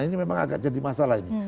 ini memang agak jadi masalah ini